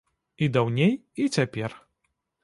І даўней, і цяпер.